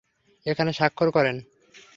এখানে স্বাক্ষর করেন।